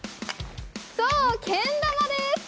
そう、けん玉です。